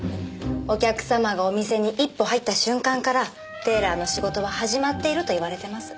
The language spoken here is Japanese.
お客様がお店に一歩入った瞬間からテーラーの仕事は始まっているといわれてます。